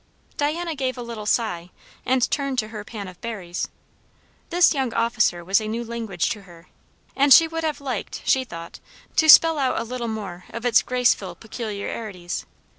Diana gave a little sigh, and turned to her pan of berries. This young officer was a new language to her, and she would have liked, she thought, to spell out a little more of its graceful peculiarities.